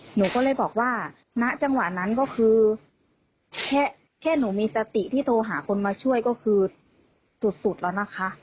หนูก็เลยบอกว่าณจังหวะนั้นก็คือแค่หนูมีสติที่โทรหาคนมาช่วยก็คือสุดแล้วนะคะ